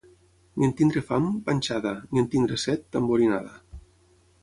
Ni en tenir fam, panxada; ni en tenir set, tamborinada.